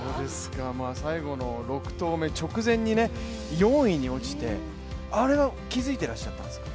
最後の６投目直前に４位に落ちて、あれは気付いていらっしゃったんですか？